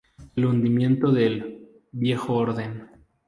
El hundimiento del "Viejo Orden".